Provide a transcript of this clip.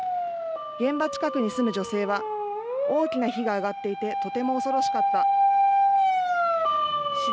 現場近くに住む女性は大きな火が上がっていてとても恐ろしかった。